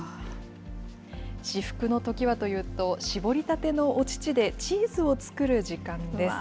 至福のときはというと、搾りたてのお乳でチーズを作る時間です。